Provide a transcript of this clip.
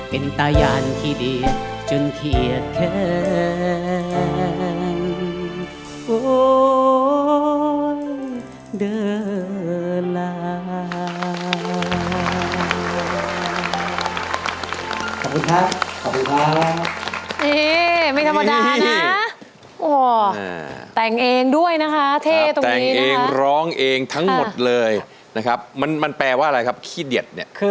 เป็นตายานขี้เดียดจนที่อีกแค่โอ้ยเดอร์ลักษณ์